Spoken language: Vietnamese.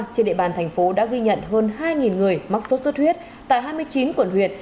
trên địa bàn thành phố đã gây nhận hơn hai người mắc sốt sốt huyết tại hai mươi chín quận huyệt